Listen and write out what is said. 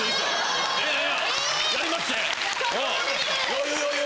余裕余裕！